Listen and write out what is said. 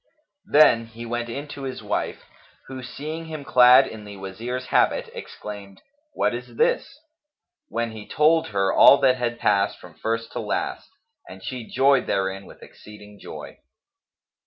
Then he went in to his wife, who seeing him clad in the Wazir's habit, exclaimed, "What is this?"; when he told her all that had passed from first to last and she joyed therein with exceeding joy.